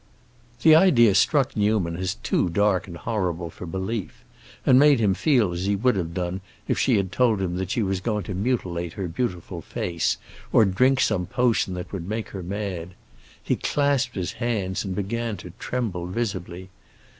The idea struck Newman as too dark and horrible for belief, and made him feel as he would have done if she had told him that she was going to mutilate her beautiful face, or drink some potion that would make her mad. He clasped his hands and began to tremble, visibly.